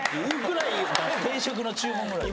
定食の注文ぐらい？